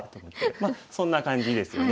まあそんな感じですよね。